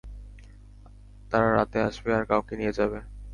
তারা রাতে আসবে আর কাউকে নিয়ে যাবে!